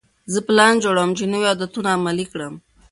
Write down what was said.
زه پلان جوړوم چې نوي عادتونه عملي کړم.